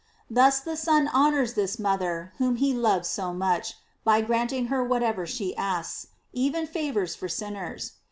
Thus the Son honors this mother whom he loves so much, by granting her whatever she asks, even favors for sinners.